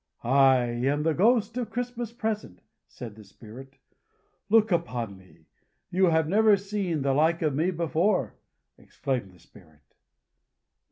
"I am the Ghost of Christmas Present," said the Spirit: "Look upon me! You have never seen the like of me before!" exclaimed the Spirit.